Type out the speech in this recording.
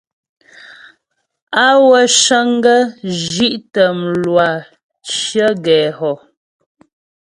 Á wə́ cə́ŋ gə zhí'tə mlwâ cyə̀ gɛ hɔ.